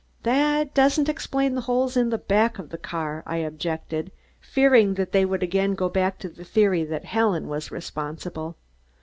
"That doesn't explain the holes in the back of the car," I objected, fearing that they would again go back to the theory that Helen was responsible.